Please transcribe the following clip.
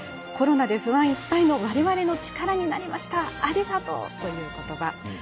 コロナで不安いっぱいのわれわれの力になりましたありがとうということば。